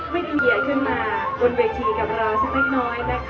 ไม่เคยคุยขึ้นมามาบนเวครัฐีกับเราและน้อย